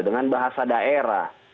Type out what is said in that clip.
dengan bahasa daerah